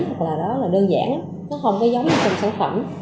hoặc là đó là đơn giản nó không có giống như trong sản phẩm